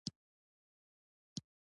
هرات د افغان ځوانانو د هیلو استازیتوب کوي.